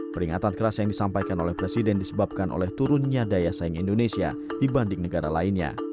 peringatan keras yang disampaikan oleh presiden disebabkan oleh turunnya daya saing indonesia dibanding negara lainnya